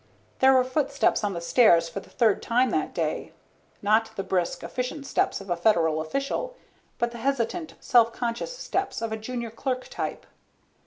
There were footsteps on the stairs for the third time that day. Not the brisk, efficient steps of a federal official, but the hesitant, self conscious steps of a junior clerk type.